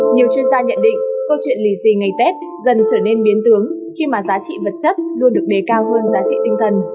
nhiều chuyên gia nhận định câu chuyện lì xì ngày tết dần trở nên biến tướng khi mà giá trị vật chất luôn được đề cao hơn giá trị tinh thần